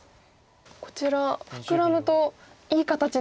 こちらフクラむといい形ですよね。